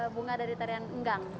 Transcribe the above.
bunga dari tarian ngang